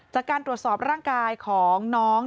จากการตรวจสอบร่างกายของน้อง